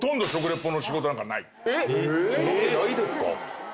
ロケないですか？